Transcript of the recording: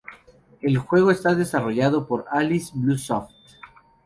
El juego está desarrollado por "Alice Blue Soft.